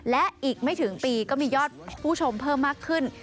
และอีกไม่ถึงปีก็มียอดผู้ชมเพิ่มมากขึ้น